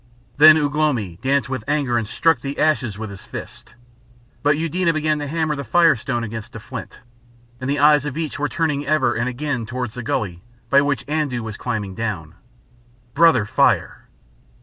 Then Ugh lomi danced with anger and struck the ashes with his fist. But Eudena began to hammer the firestone against a flint. And the eyes of each were turning ever and again towards the gully by which Andoo was climbing down. Brother Fire!